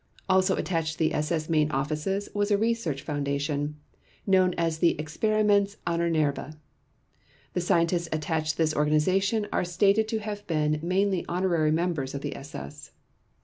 Also attached to the SS main offices was a research foundation known as the Experiments Ahnenerbe. The scientists attached to this organization are stated to have been mainly honorary members of the SS.